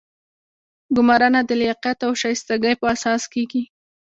ګمارنه د لیاقت او شایستګۍ په اساس کیږي.